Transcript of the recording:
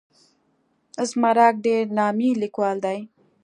زمرک ډېر نامي لیکوال دی.